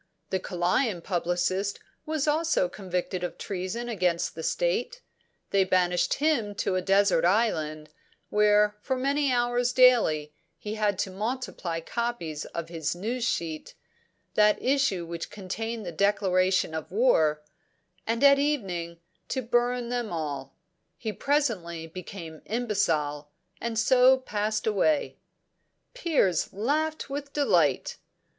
The Kalayan publicist was also convicted of treason against the state; they banished him to a desert island, where for many hours daily he had to multiply copies of his news sheet that issue which contained the declaration of war and at evening to burn them all. He presently became imbecile, and so passed away.'" Piers laughed with delight.